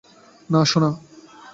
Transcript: না, সোনা।